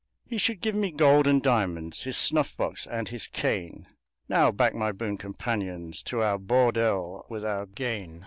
He should give me gold and diamonds, his snuff box and his cane "Now back, my boon companions, to our bordel with our gain!"